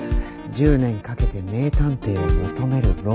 １０年かけて名探偵を求めるロマンス。